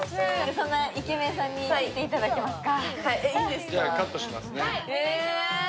そんなイケメンさんに切っていただきますか。